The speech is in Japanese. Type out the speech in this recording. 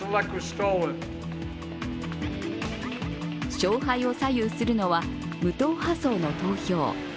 勝敗を左右するのは無党派層の投票。